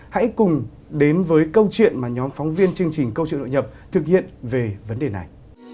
hãy cùng đến với câu chuyện mà nhóm phóng viên chương trình câu chuyện nội nhập thực hiện về vấn đề này